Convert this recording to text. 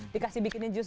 dikasih bikinnya jus